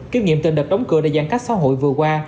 kinh nghiệm tình đợt đóng cửa tại giãn cách xã hội vừa qua